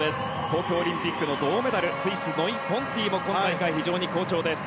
東京オリンピックの銅メダルスイス、ノイ・ポンティも今大会、非常に好調です。